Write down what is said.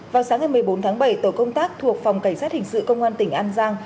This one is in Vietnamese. vào sáng ngày một mươi bốn tháng bảy tổ công tác thuộc phòng cảnh sát hình sự công an tỉnh an giang